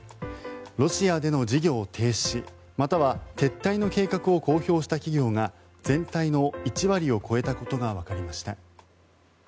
ロシアでの事業停止または撤退の計画を公表した企業が全体の１割を超えたことがわかりました。